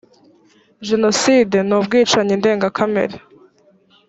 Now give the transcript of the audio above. jenoside nubwicanyi bwindenga kamere.